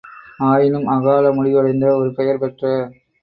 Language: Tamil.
ஆயினும், அகால முடிவடைந்த ஒரு பெயர் பெற்ற